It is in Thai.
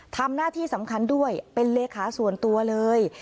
ทำหน้าที่สำคัญด้วยเป็นเลขาส่วนตัวเลย